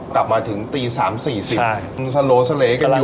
กลับมาถึงตี๓๔๐บาทสะโหลสะเลกันอยู่